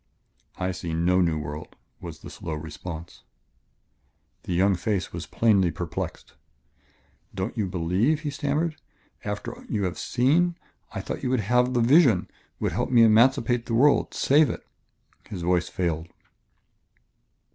"I see no new world," was the slow response. The young face was plainly perplexed. "Don't you believe?" he stammered. "After you have seen ... I thought you would have the vision, would help me emancipate the world, save it " His voice failed.